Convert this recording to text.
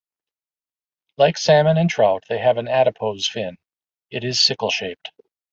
Like salmon and trout they have an adipose fin; it is sickle-shaped.